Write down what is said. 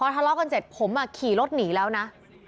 ทะเลาะกันเสร็จผมขี่รถหนีแล้วนะ